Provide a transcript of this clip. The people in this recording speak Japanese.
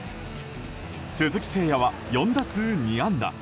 鈴木誠也は４打数２安打。